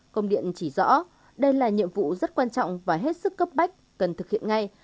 công điện chỉ rõ đây là nhiệm vụ rất quan trọng và hết sức cấp bách cần thực hiện ngay